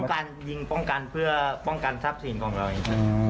ป้องกันยิงป้องกันเพื่อป้องกันทรัพย์สินของเราอย่างนี้ครับ